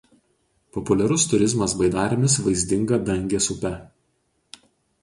Populiarus turizmas baidarėmis vaizdinga Dangės upe.